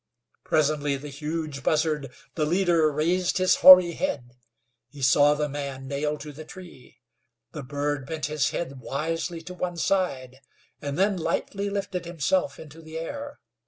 Presently the huge buzzard, the leader, raised his hoary head. He saw the man nailed to the tree. The bird bent his head wisely to one side, and then lightly lifted himself into the air.